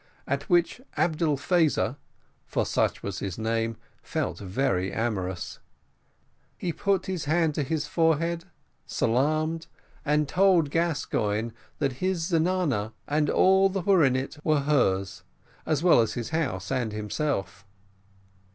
At which Abdel Faza, for such was his name, felt very amorous; he put his hand to his forehead, salaamed, and told Gascoigne that his zenana, and all that were in it, were hers, as well as his house and himself.